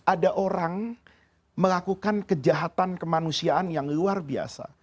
ada orang melakukan kejahatan kemanusiaan yang luar biasa